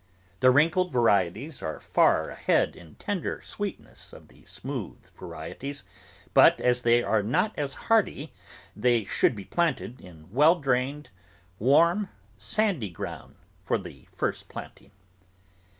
The wrinkled varieties are far ahead in tender sweetness of the smooth varieties, but as they are not as hardy, they should be planted in well drained, warm, sandy ground for the first planting.